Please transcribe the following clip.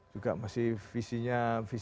juga masih visinya